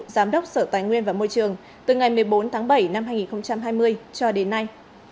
giám đốc sở tài nguyên và môi trường từ ngày một mươi bốn tháng bảy năm hai nghìn hai mươi cho đến nay